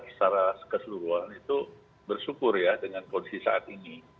secara keseluruhan itu bersyukur ya dengan kondisi saat ini